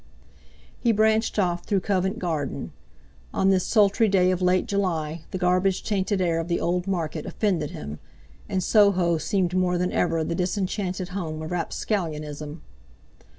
He branched off through Covent Garden. On this sultry day of late July the garbage tainted air of the old market offended him, and Soho seemed more than ever the disenchanted home of rapscallionism.